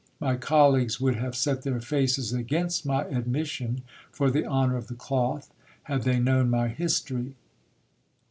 My colleagues would have set their faces against my admission, for the honour of the cloth, had they known my history.